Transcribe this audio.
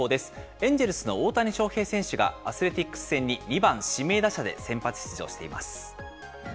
エンジェルスの大谷翔平選手がアスレティックス戦に２番指名打者で先発出場しています。